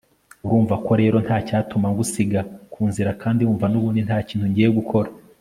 urumva ko rero ntacyatuma ngusiga ku nzira kandi wumva nubundi ntakintu ngiye gukora